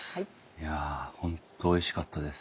いや本当おいしかったです。